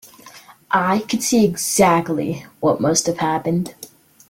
I could see exactly what must have happened.